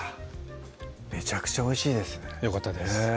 めちゃくちゃおいしいですねよかったです